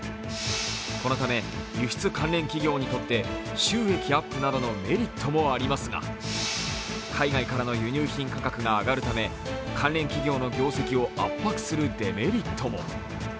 このため、輸出関連企業にとって収益アップなどのメリットもありますが海外からの輸入品価格が上がるため、関連企業の業績を圧迫するデメリットも。